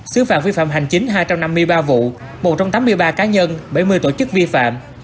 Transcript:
xứ phạm vi phạm hành chính hai trăm năm mươi ba vụ một trong tám mươi ba cá nhân bảy mươi tổ chức vi phạm